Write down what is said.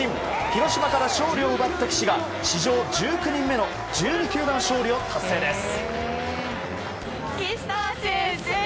広島から勝利を奪った岸が史上１９人目の１２球団勝利を達成です。